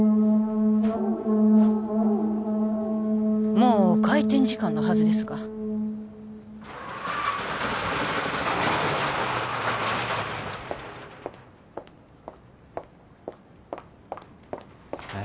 もう開店時間のはずですがえっ？